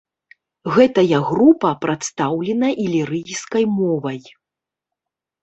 Гэтая група прадстаўлена ілірыйскай мовай.